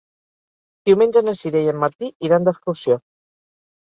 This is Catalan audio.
Diumenge na Sira i en Martí iran d'excursió.